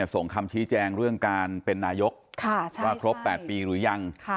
ส่งคำชี้แจงเรื่องการเป็นนายกว่าครบ๘ปีหรือยัง